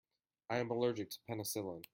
I am allergic to penicillin.